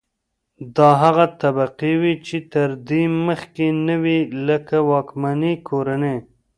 دا هغه طبقې وې چې تر دې مخکې نه وې لکه واکمنې کورنۍ.